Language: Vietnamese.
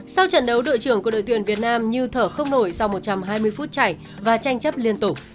sau trận đấu đội trưởng của đội tuyển việt nam như thở không nổi sau một trăm hai mươi phút chảy và tranh chấp liên tục